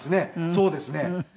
そうですね。